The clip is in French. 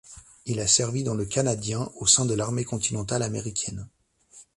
Il a servi dans le canadien au sein de l'armée continentale américaine.